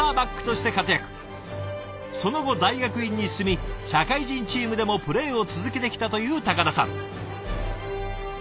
その後大学院に進み社会人チームでもプレーを続けてきたという高田さん。